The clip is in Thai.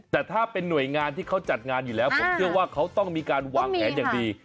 แต่ถ้าเป็นหน่วยงานที่เขาจัดงานอยู่แล้วผมเชื่อว่าเขาต้องมีการวางแผนอย่างดี